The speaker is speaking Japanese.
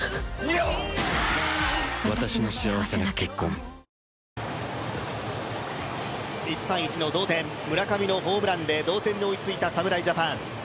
あふっ１−１の同点、村上のホームランで同点に追いついた侍ジャパン。